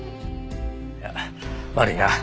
いや悪いな。